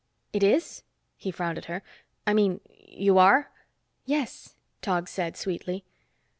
"It is?" he frowned at her. "I mean, you are?" "Yes," Tog said sweetly.